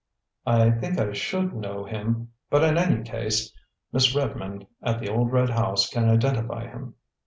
"I think I should know him; but in any case Miss Redmond at the old red house can identify him."